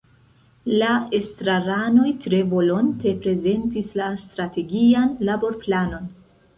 La estraranoj tre volonte prezentis la Strategian Laborplanon.